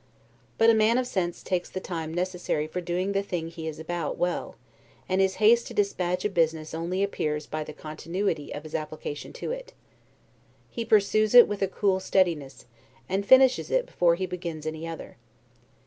But a man of sense takes the time necessary for doing the thing he is about, well; and his haste to dispatch a business only appears by the continuity of his application to it: he pursues it with a cool steadiness, and finishes it before he begins any other.